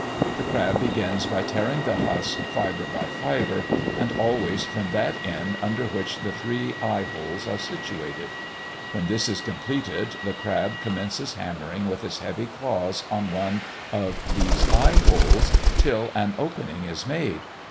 The crab begins by tearing the husk, fibre by fibre, and always from that end under which the three eye holes are situated; when this is completed, the crab commences hammering with its heavy claws on one of these eye holes till an opening is made.